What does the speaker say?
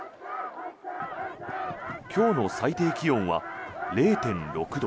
今日の最低気温は０．６度。